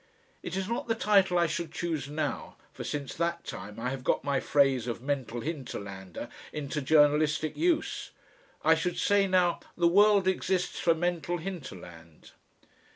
It is not the title I should choose now for since that time I have got my phrase of "mental hinterlander" into journalistic use. I should say now, "The World Exists for Mental Hinterland."